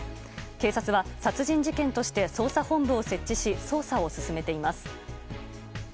警察は、殺人事件として捜査本部を設置し捜査を進めています。